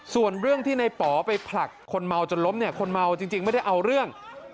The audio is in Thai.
ส่วนเรื่องที่ในป๋อไปผลักคนเมาจนล้มเนี่ยคนเมาจริงไม่ได้เอาเรื่อง